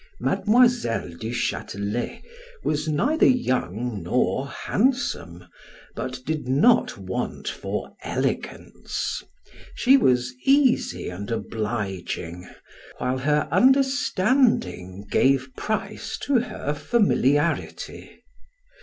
Mademoiselle du Chatelet was neither young nor handsome, but did not want for elegance; she was easy and obliging while her understanding gave price to her familiarity.